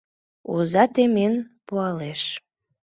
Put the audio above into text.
Оза темен пуалеш...